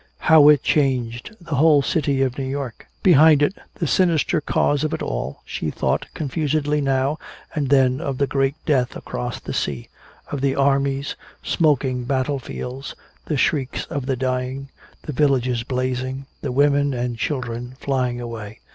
How it changed the whole city of New York. Behind it, the sinister cause of it all, she thought confusedly now and then of the Great Death across the sea, of the armies, smoking battle fields, the shrieks of the dying, the villages blazing, the women and children flying away.